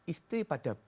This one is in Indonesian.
istri pada b